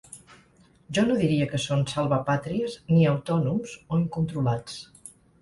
Jo no diria que són ‘salvapatrias’ ni ‘autònoms’ o ‘incontrolats’.